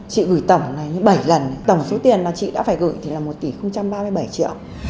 chị gửi tổng bảy lần tổng số tiền chị đã phải gửi là một tỷ ba mươi bảy triệu